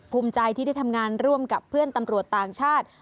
ภูมิใจที่ได้ทำงานร่วมกับเพื่อนตำรวจต่างชาติ